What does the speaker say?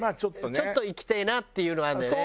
ちょっといきてえなっていうのはあるんだよね。